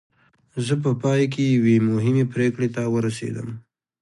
زه په پای کې یوې مهمې پرېکړې ته ورسېدم